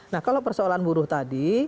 nah kalau persoalan buruh tadi